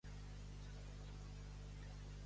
No es pot llençar res que no pudi.